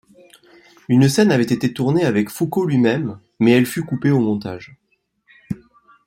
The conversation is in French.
Une scène avait été tournée avec Foucault lui-même, mais elle fut coupée au montage.